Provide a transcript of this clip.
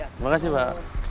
terima kasih pak